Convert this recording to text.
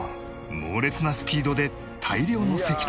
猛烈なスピードで大量の石炭を運ぶ